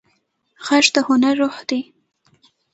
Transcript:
غږ د هنر روح دی